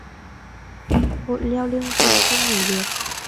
Hội leo lên giường không ngủ được